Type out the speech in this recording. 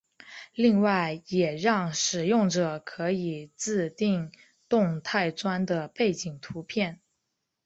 另外也让使用者可以自订动态砖的背景图片。